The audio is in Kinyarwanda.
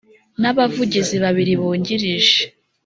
n abavugizi babiri bungirije